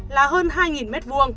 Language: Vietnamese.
là hơn hai m hai